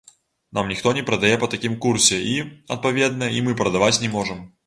Нам ніхто не прадае па такім курсе і, адпаведна, і мы прадаваць не можам.